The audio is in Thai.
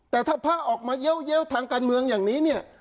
แต่ถ้าพระออกมาเยอะทางการเมืองอย่างนี้เนี่ย